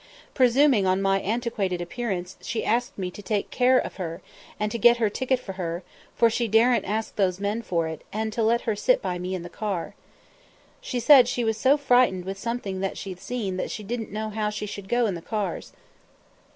Presuming on my antiquated appearance, she asked me "to take care of her, to get her ticket for her, for she dare'nt ask those men for it, and to let her sit by me in the car." She said she was so frightened with something she'd seen that she didn't know how she should go in the cars.